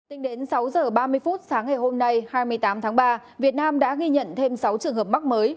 tính đến sáu h ba mươi phút sáng ngày hôm nay hai mươi tám tháng ba việt nam đã ghi nhận thêm sáu trường hợp mắc mới